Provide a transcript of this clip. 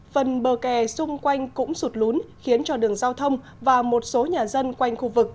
phần bờ kè xung quanh cũng sụt lún khiến cho đường giao thông và một số nhà dân quanh khu vực